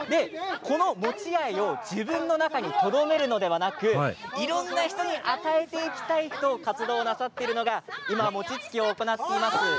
この餅愛を自分の中にとどめるのではなくいろいろな人に与えていきたいと活動をなさっているのが今、餅つきを行っています